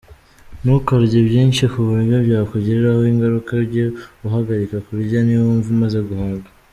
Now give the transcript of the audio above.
Ntukarye byinshi ku buryo byakugiraho ingaruka, ujye uhagarika kurya niwumva umaze guhaga.